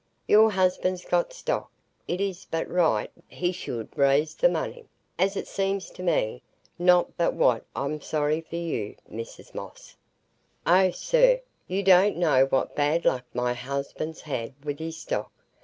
Your husband's got stock; it is but right he should raise the money, as it seems to me,—not but what I'm sorry for you, Mrs Moss." "Oh, sir, you don't know what bad luck my husband's had with his stock.